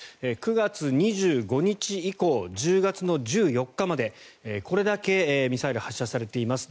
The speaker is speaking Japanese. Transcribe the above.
９月２５日以降１０月の１４日までこれだけミサイルが発射されています。